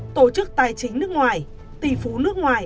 tổ chức tài chính nước ngoài tỷ phú nước ngoài